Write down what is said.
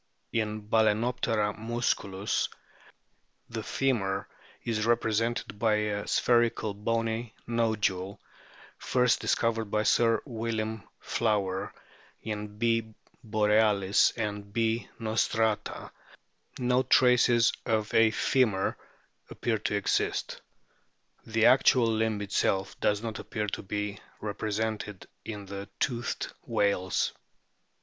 In Bal&noptera musculus the femur is represented by a spherical bony nodule, first discovered by Sir William Flower ; in B. borealis and B. rostrata no traces of a femur appear to exist. The actual limb itself does not appear to be repre sented in the toothed whales.